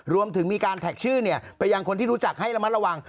รวมถึงมีการแท็กชื่อไปยังคนที่รู้จักให้ระมัดระวัง